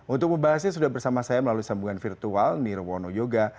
untuk membahasnya sudah bersama saya melalui sambungan virtual nirwono yoga